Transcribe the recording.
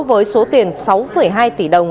với số tiền sáu hai tỷ đồng